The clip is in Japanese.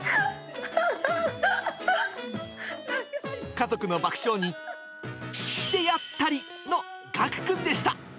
家族の爆笑に、してやったりのがくくんでした。